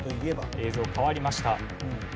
映像変わりました。